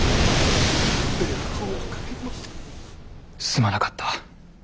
すまなかった。